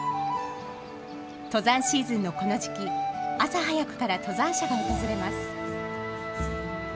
登山シーズンのこの時期、朝早くから登山者が訪れます。